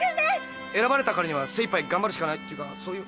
選ばれたからには精一杯頑張るしかないっていうかそういう。